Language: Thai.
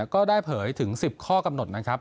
ก็ได้เผยถึง๑๐ข้อกำหนดนะครับ